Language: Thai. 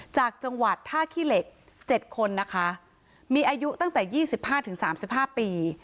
จากจังหวัดท่าขี้เหล็กเจ็ดคนนะคะมีอายุตั้งแต่ยี่สิบห้าถึงสามสิบห้าปี